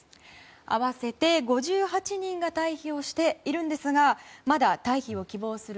合わせて５８人が退避しているんですがまだ退避を希望する